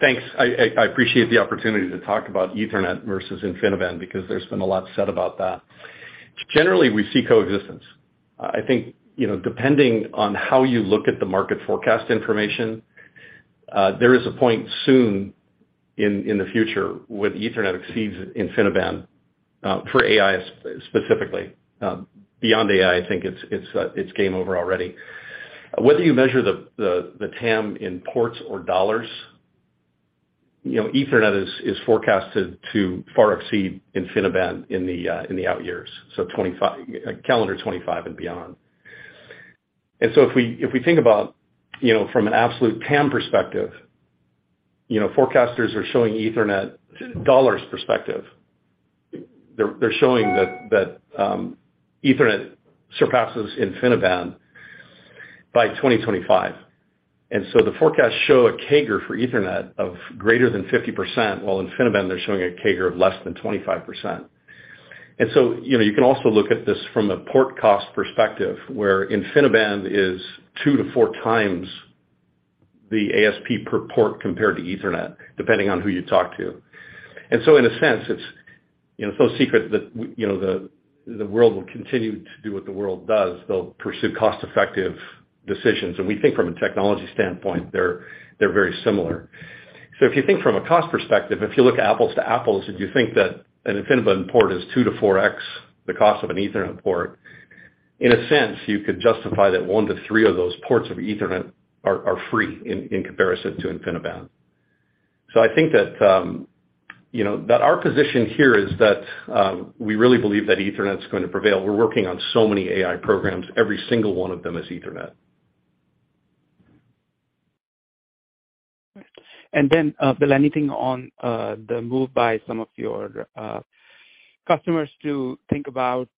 Thanks. I appreciate the opportunity to talk about Ethernet versus InfiniBand, there's been a lot said about that. Generally, we see coexistence. I think, you know, depending on how you look at the market forecast information, there is a point soon in the future where Ethernet exceeds InfiniBand for AI specifically. Beyond AI, I think it's game over already. Whether you measure the TAM in ports or dollars, you know, Ethernet is forecasted to far exceed InfiniBand in the out years, so calendar 2025 and beyond. If we think about, you know, from an absolute TAM perspective, you know, forecasters are showing Ethernet dollars perspective. They're showing that Ethernet surpasses InfiniBand by 2025. The forecasts show a CAGR for Ethernet of greater than 50%, while InfiniBand, they're showing a CAGR of less than 25%. You know, you can also look at this from a port cost perspective, where InfiniBand is 2x-4x the ASP per port compared to Ethernet, depending on who you talk to. In a sense, it's, you know, it's no secret that you know, the world will continue to do what the world does. They'll pursue cost-effective decisions, and we think from a technology standpoint, they're very similar. If you think from a cost perspective, if you look at apples to apples, and you think that an InfiniBand port is 2x-4x, the cost of an Ethernet port, in a sense, you could justify that 1-3 of those ports of Ethernet are free in comparison to InfiniBand. I think that, you know, that our position here is that we really believe that Ethernet is going to prevail. We're working on so many AI programs. Every single one of them is Ethernet. Bill, anything on the move by some of your customers to think about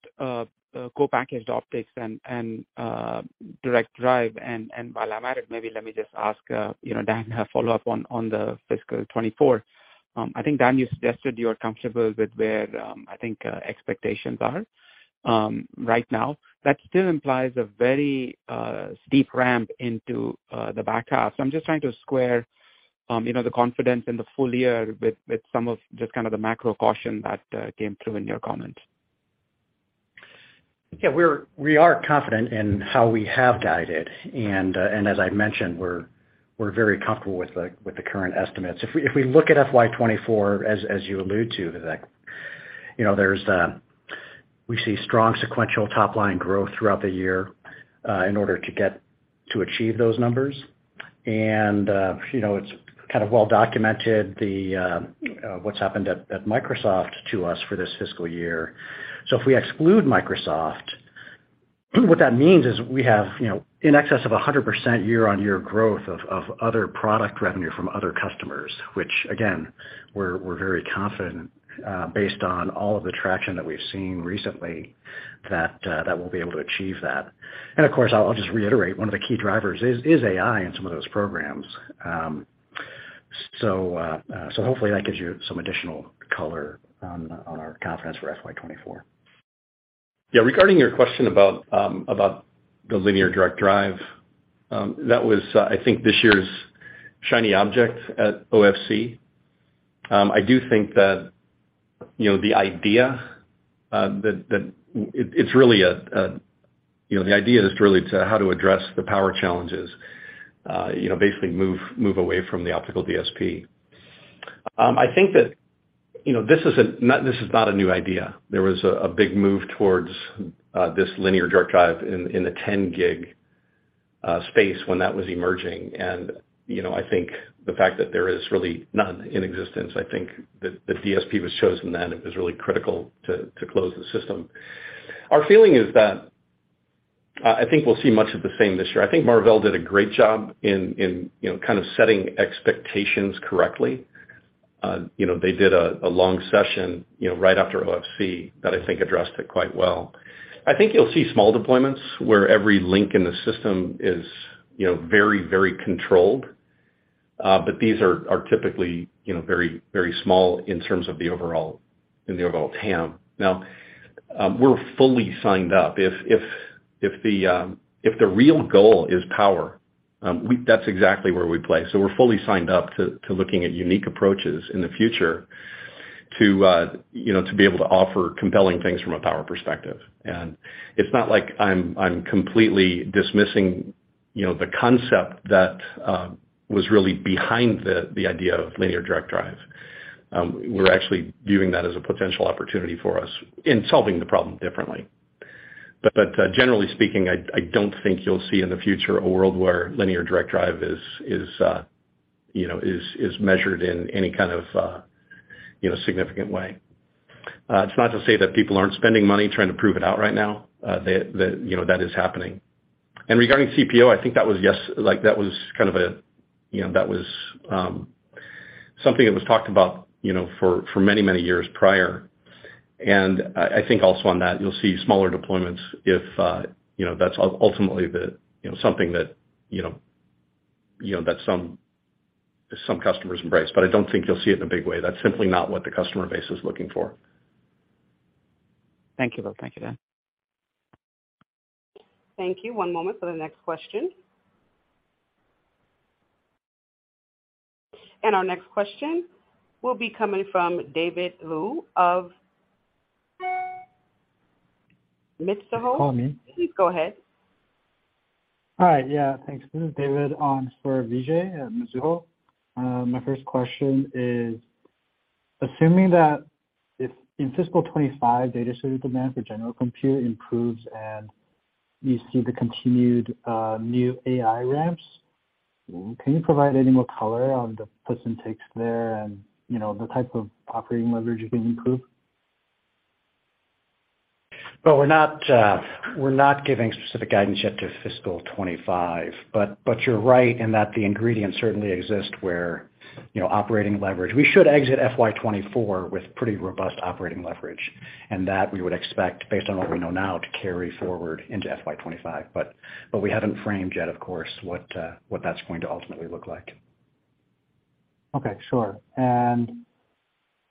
co-packaged optics and direct drive? While I'm at it, maybe let me just ask, you know, Dan, a follow-up on the fiscal 2024. I think, Dan, you suggested you are comfortable with where, I think, expectations are right now. That still implies a very steep ramp into the back half. I'm just trying to square, you know, the confidence in the full year with some of just kind of the macro caution that came through in your comments. Yeah, we are confident in how we have guided, as I mentioned, we're very comfortable with the current estimates. If we look at FY 2024, as you allude to, Vivek, you know, we see strong sequential top-line growth throughout the year, in order to achieve those numbers. you know, it's kind of well documented, what's happened at Microsoft to us for this fiscal year. If we exclude Microsoft, what that means is we have, you know, in excess of 100% year-on-year growth of other product revenue from other customers, which again, we're very confident, based on all of the traction that we've seen recently, that we'll be able to achieve that. Of course, I'll just reiterate, one of the key drivers is AI in some of those programs. Hopefully that gives you some additional color on our confidence for FY 2024. Yeah, regarding your question about the linear direct drive, that was, I think, this year's shiny object at OFC. I do think that, you know, the idea that it's really... You know, the idea is really to how to address the power challenges, you know, basically move away from the optical DSP. I think that, you know, this is not a new idea. There was a big move towards this linear direct drive in the 10 gig space when that was emerging. You know, I think the fact that there is really none in existence, I think that the DSP was chosen then, it was really critical to close the system. Our feeling is that, I think we'll see much of the same this year. I think Marvell did a great job in, you know, kind of setting expectations correctly. You know, they did a long session, you know, right after OFC that I think addressed it quite well. I think you'll see small deployments where every link in the system is, you know, very, very controlled. These are typically, you know, very, very small in terms of the overall TAM. Now, we're fully signed up. If the real goal is power, that's exactly where we play. We're fully signed up to looking at unique approaches in the future to, you know, to be able to offer compelling things from a power perspective. It's not like I'm completely dismissing, you know, the concept that was really behind the idea of linear direct drive. We're actually viewing that as a potential opportunity for us in solving the problem differently. Generally speaking, I don't think you'll see in the future a world where linear direct drive is, you know, is measured in any kind of, you know, significant way. It's not to say that people aren't spending money trying to prove it out right now, you know, that is happening. Regarding CPO, I think that was, yes, like that was kind of a, you know, that was something that was talked about, you know, for many, many years prior. I think also on that, you'll see smaller deployments if, you know, that's ultimately the, you know, something that, you know, that some customers embrace. I don't think you'll see it in a big way. That's simply not what the customer base is looking for. Thank you, Bill. Thank you, Dan. Thank you. One moment for the next question. Our next question will be coming from David Liu of Mizuho. Call me. Please go ahead. Hi. Yeah, thanks. This is David on for Vijay at Mizuho. My first question is: assuming that if in fiscal 2025, data center demand for general compute improves and you see the continued new AI ramps, can you provide any more color on the puts and takes there and, you know, the type of operating leverage you can improve? Well, we're not, we're not giving specific guidance yet to fiscal 2025. You're right in that the ingredients certainly exist where, you know, operating leverage. We should exit FY 2024 with pretty robust operating leverage, and that we would expect, based on what we know now, to carry forward into FY 2025. We haven't framed yet, of course, what that's going to ultimately look like. Okay, sure.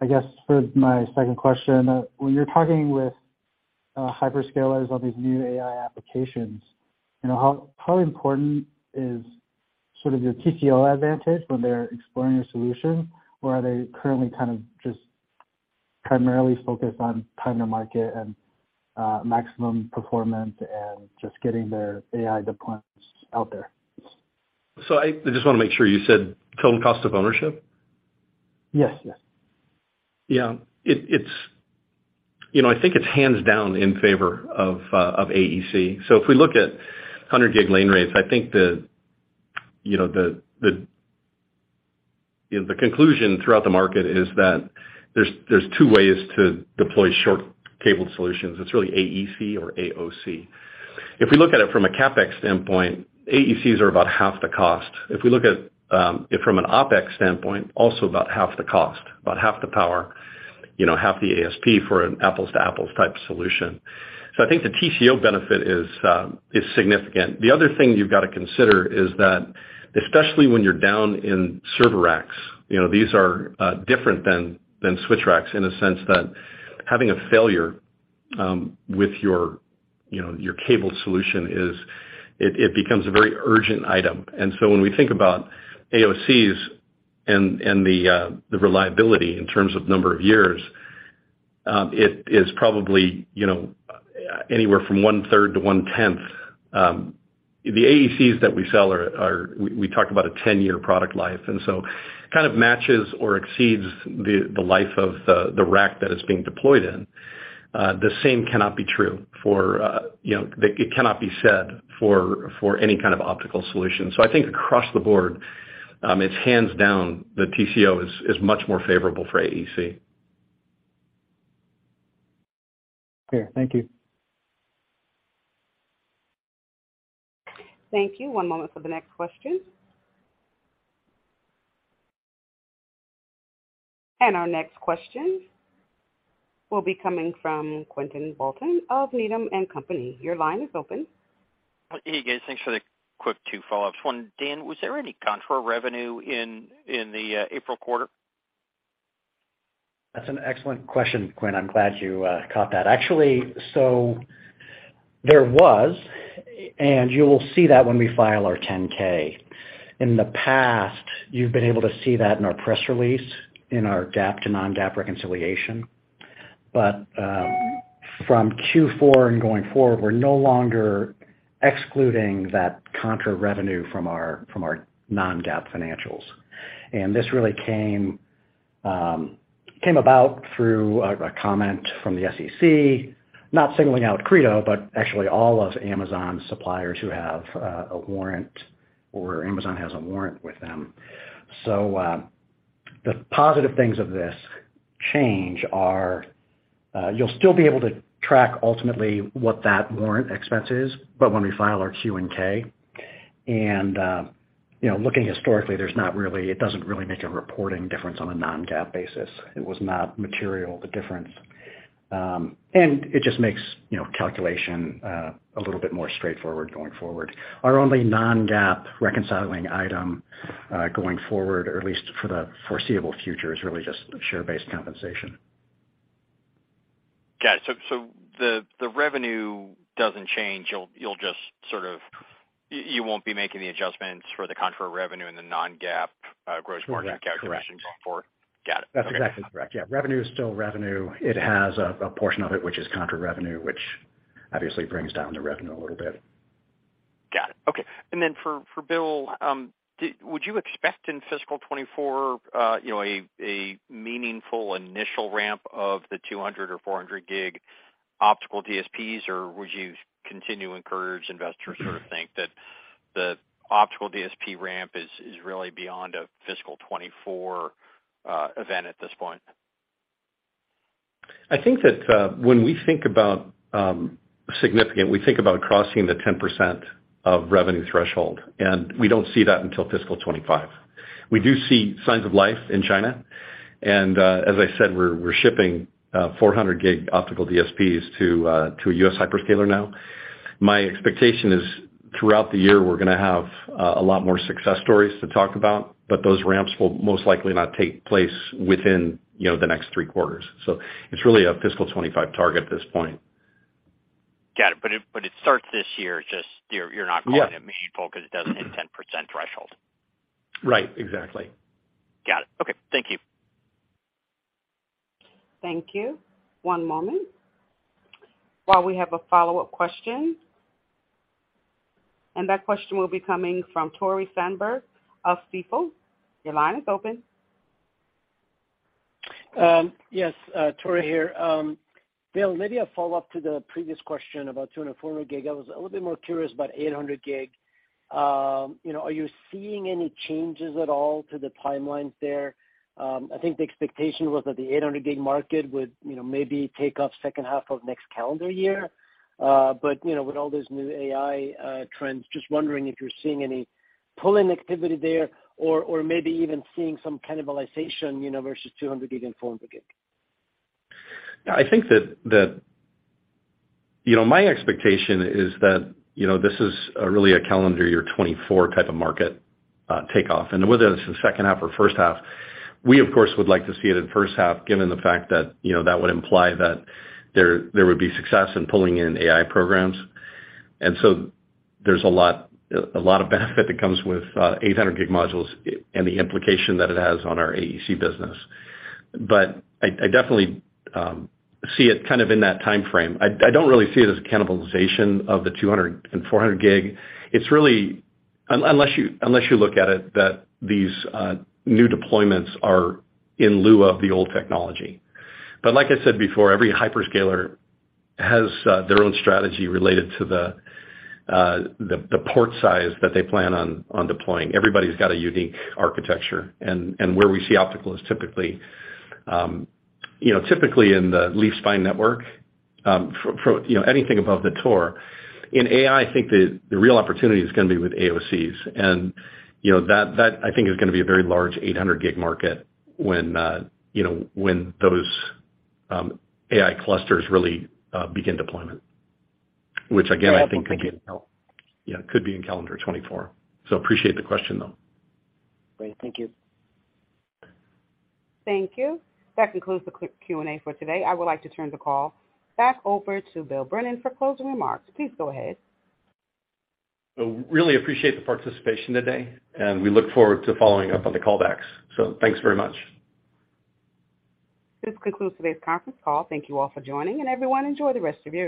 I guess for my second question, when you're talking with, hyperscalers on these new AI applications, you know, how important is sort of your TCO advantage when they're exploring a solution? Or are they currently kind of just primarily focused on time to market and, maximum performance and just getting their AI deployments out there? I just wanna make sure you said Total Cost of Ownership? Yes, yes. It's, you know, I think it's hands down in favor of AEC. If we look at 100 gig lane rates, I think the, you know, the, you know, the conclusion throughout the market is that there's two ways to deploy short cabled solutions. It's really AEC or AOC. If we look at it from a CapEx standpoint, AECs are about half the cost. If we look at it from an OpEx standpoint, also about half the cost, about half the power, you know, half the ASP for an apples-to-apples type solution. I think the TCO benefit is significant. The other thing you've got to consider is that, especially when you're down in server racks, you know, these are different than switch racks in a sense that having a failure with your, you know, your cabled solution it becomes a very urgent item. When we think about AOCs and the reliability in terms of number of years, it is probably, you know, anywhere from one third to one tenth. The AECs that we sell are, we talked about a 10-year product life, and so kind of matches or exceeds the life of the rack that it's being deployed in. The same cannot be true for, you know, it cannot be said for any kind of optical solution. I think across the board, it's hands down, the TCO is much more favorable for AEC. Okay. Thank you. Thank you. One moment for the next question. Our next question will be coming from Quinn Bolton of Needham & Company. Your line is open. Hey, guys. Thanks for the quick two follow-ups. One, Dan, was there any contra revenue in the April quarter? That's an excellent question, Quinn. I'm glad you caught that. Actually, there was, and you'll see that when we file our 10-K. In the past, you've been able to see that in our press release, in our GAAP to non-GAAP reconciliation. From Q4 and going forward, we're no longer excluding that contra revenue from our non-GAAP financials. This really came about through a comment from the SEC, not singling out Credo, but actually all of Amazon's suppliers who have a warrant or Amazon has a warrant with them. The positive things of this change are, you'll still be able to track ultimately what that warrant expense is, but when we file our 10-K. You know, looking historically, there's not really it doesn't really make a reporting difference on a non-GAAP basis. It was not material, the difference.... it just makes, you know, calculation, a little bit more straightforward going forward. Our only non-GAAP reconciling item, going forward, or at least for the foreseeable future, is really just share-based compensation. Got it. The revenue doesn't change, you'll just sort of you won't be making the adjustments for the contra revenue and the non-GAAP gross margin calculation going forward? Correct. Got it. That's exactly correct, yeah. Revenue is still revenue. It has a portion of it, which is contra revenue, which obviously brings down the revenue a little bit. Got it. Okay. Then for Bill, would you expect in fiscal 2024, you know, a meaningful initial ramp of the 200 or 400 gig optical DSPs? Would you continue to encourage investors to sort of think that the optical DSP ramp is really beyond a fiscal 2024 event at this point? I think that, when we think about significant, we think about crossing the 10% of revenue threshold. We don't see that until fiscal 2025. We do see signs of life in China. As I said, we're shipping 400 gig optical DSPs to a U.S. hyperscaler now. My expectation is throughout the year, we're gonna have a lot more success stories to talk about, but those ramps will most likely not take place within, you know, the next three quarters. It's really a fiscal 2025 target at this point. Got it. It starts this year, just you're. Yeah... calling it meaningful because it doesn't hit 10% threshold. Right. Exactly. Got it. Okay. Thank you. Thank you. One moment. While we have a follow-up question, and that question will be coming from Tore Svanberg of Stifel. Your line is open. Yes, Tore here. Bill, maybe a follow-up to the previous question about 200 and 400 gig. I was a little bit more curious about 800 gig. You know, are you seeing any changes at all to the timelines there? I think the expectation was that the 800 gig market would, you know, maybe take off second half of next calendar year. You know, with all these new AI trends, just wondering if you're seeing any pull-in activity there or maybe even seeing some cannibalization, you know, versus 200 gig and 400 gig. I think that. You know, my expectation is that, you know, this is really a calendar year 2024 type of market takeoff. Whether it's the second half or first half, we, of course, would like to see it in first half, given the fact that, you know, that would imply that there would be success in pulling in AI programs. There's a lot of benefit that comes with 800 gig modules and the implication that it has on our AEC business. I definitely see it kind of in that timeframe. I don't really see it as cannibalization of the 200 and 400 gig. It's really unless you look at it, that these new deployments are in lieu of the old technology. Like I said before, every hyperscaler has their own strategy related to the port size that they plan on deploying. Everybody's got a unique architecture, and where we see optical is typically, you know, typically in the leaf spine network for, you know, anything above the TOR. In AI, I think the real opportunity is gonna be with AOCs, and, you know, that I think is gonna be a very large 800 gig market when, you know, when those AI clusters really begin deployment. Which again, I think could be, yeah, could be in calendar 2024. Appreciate the question, though. Great. Thank you. Thank you. That concludes the Q&A for today. I would like to turn the call back over to Bill Brennan for closing remarks. Please go ahead. Really appreciate the participation today, and we look forward to following up on the call backs. Thanks very much. This concludes today's conference call. Thank you all for joining, and everyone, enjoy the rest of your day.